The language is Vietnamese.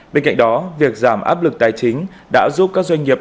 bên cạnh đó việc giảm áp lực tài chính đã giúp các doanh nghiệp